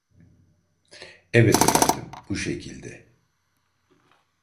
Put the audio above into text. Evet efendim bu şekilde